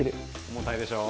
重たいでしょう？